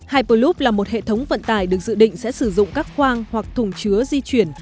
hyperloop là một hệ thống vận tải được dự định sẽ sử dụng các khoang hoặc thùng chứa di chuyển